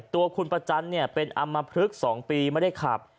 ตัวคุณประจันทร์เป็นอำมพลึก๒ปีไม่ได้ขับ